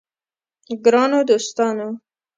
ګرانو دوستانو!